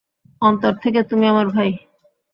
অন্তর থেকে, তুমি আমার ভাই।